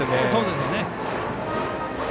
そうですね。